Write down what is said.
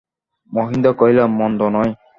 মহেন্দ্র কহিল, মন্দ নয়।